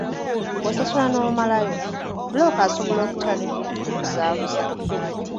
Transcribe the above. Bw’osasula n’omalayo, bbulooka asobola okutandika okukubuzaabuza.